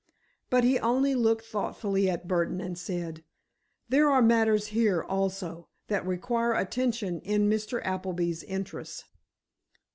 But he only looked thoughtfully at Burdon and said: "There are matters here, also, that require attention in Mr. Appleby's interests."